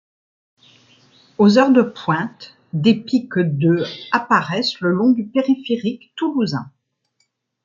Aux heures de pointe, des pics de apparaissent le long du périphérique toulousain.